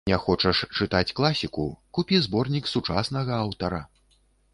Не хочаш чытаць класіку, купі зборнік сучаснага аўтара.